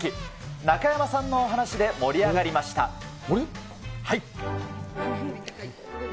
中山さんのお話で盛り上がりまし俺？